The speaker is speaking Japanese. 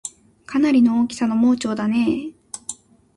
かなりの大きさの盲腸だねぇ